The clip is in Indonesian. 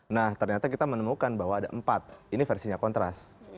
nah ternyata kita menemukan bahwa ada empat ini versinya kontras